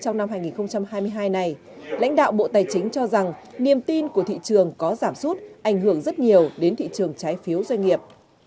trong năm hai nghìn hai mươi hai này lãnh đạo bộ tài chính cho rằng niềm tin của thị trường có giảm sút ảnh hưởng rất nhiều đến thị trường trái phiếu doanh nghiệp